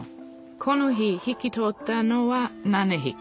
この日引き取ったのは７ひき